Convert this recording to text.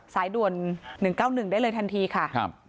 สายด่วน๑๙๑ได้เลยทันทีค่ะ